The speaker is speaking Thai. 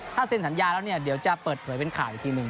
ถ้าเซ็นสัญญาแล้วเนี่ยเดี๋ยวจะเปิดเผยเป็นข่าวอีกทีหนึ่ง